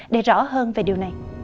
để rõ hơn về điều này